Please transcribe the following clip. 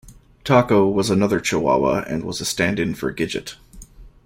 Taco was another Chihuahua and was a stand-in for Gidget.